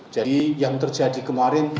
jadi yang terjadi kemarin